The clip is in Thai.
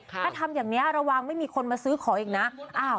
ถ้าทำอย่างนี้ระวังไม่มีคนมาซื้อของอีกนะ